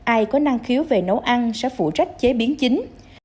ai có năng khiếu về nấu ăn sẽ phụ trách chế biến chính